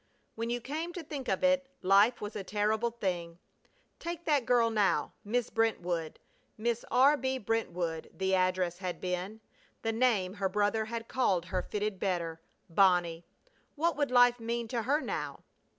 When you came to think of it life was a terrible thing! Take that girl now, Miss Brentwood Miss R.B. Brentwood the address had been. The name her brother had called her fitted better, "Bonnie." What would life mean to her now?